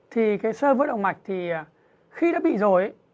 thì cái sơ vứt động mạch thì khi đã bị rồi